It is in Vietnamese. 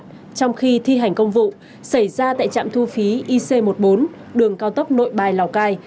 trong khi thi hành công vụ xảy ra tại trạm thu phí ic một mươi bốn đường cao tốc nội bài lào cai